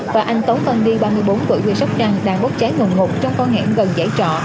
và anh tống văn đi ba mươi bốn tuổi quê sóc đăng đang bóc cháy ngồn ngột trong con hẻm gần giải trọ